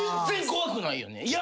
全然怖くないよね。